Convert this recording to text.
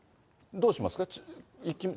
どうしますか？